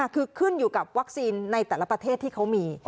คือขึ้นอยู่กับวัคซีนในแต่ละประเทศที่เขามี